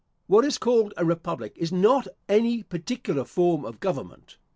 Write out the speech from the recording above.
What is called a republic is not any particular form of government.